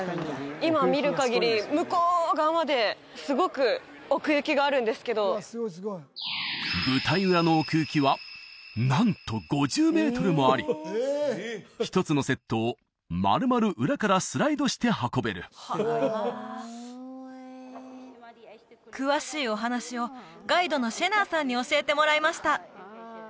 今見るかぎり向こう側まですごく奥行きがあるんですけど舞台裏の奥行きはなんと５０メートルもあり一つのセットをまるまる裏からスライドして運べる詳しいお話をガイドのシェナーさんに教えてもらいました